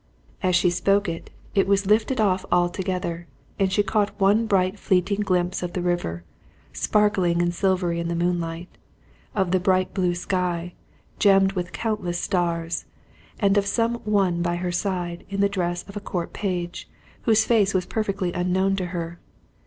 As she spoke, it was lifted off altogether, and she caught one bright fleeting glimpse of the river, sparkling and silvery in the moonlight; of the bright blue sky, gemmed with countless stars, and of some one by her side in the dress of a court page, whose face was perfectly unknown to her.